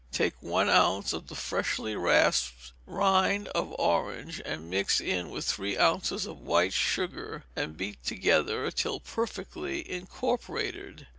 Take one ounce of the freshly rasped rind of orange, and mix it with three ounces of white sugar, and beat together till perfectly incorporated.